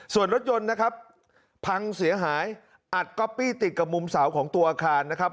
ส่วนรถยนต์นะครับพังเสียหายอัดก๊อปปี้ติดกับมุมเสาของตัวอาคารนะครับ